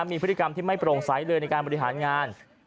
มีพฤติกรรมที่ไม่โปร่งใสเลยในการบริหารงาน